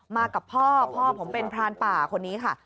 มากับพ่อพ่อผมเป็นพรานป่าคนนี้ค่ะ